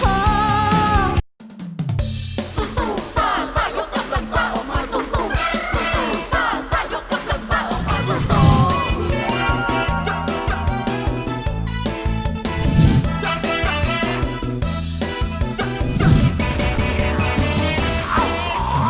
ซายกมันซ่าออกมาซู๊มซุ้ม